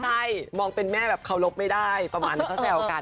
ใช่มองเป็นแม่แบบเคารพไม่ได้ประมาณนั้นเขาแซวกัน